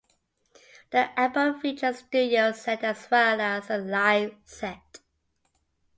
The album featured a studio set as well as a live set.